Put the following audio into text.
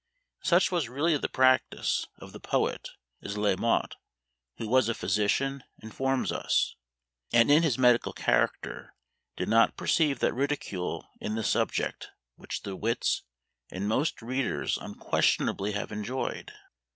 Such was really the practice of the poet, as Le Motte, who was a physician, informs us, and in his medical character did not perceive that ridicule in the subject which the wits and most readers unquestionably have enjoyed.